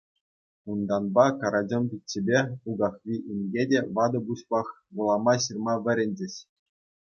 Унтанпа Карачӑм пиччепе Укахви инке те ватӑ пуҫпах вулама-ҫырма вӗренчӗҫ.